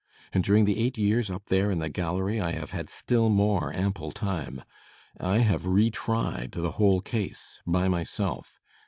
And during the eight years up there in the gallery I have had still more ample time. I have re tried the whole case by myself.